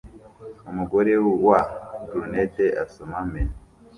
Umugore wa brunette asoma menu